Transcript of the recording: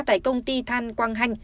tại công ty than quang hanh